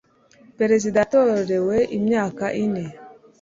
Perezida yatorewe imyaka ine.